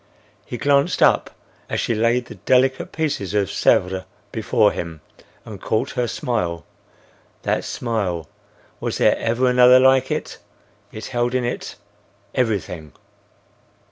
He glanced up as she laid the delicate piece of Sèvres before him, and caught her smile—That smile! Was there ever another like it? It held in it—everything.